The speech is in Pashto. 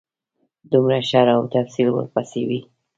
دومره شرح او تفصیل ورپسې وي.